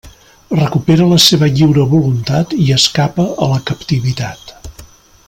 Recupera la seva lliure voluntat i escapa a la captivitat.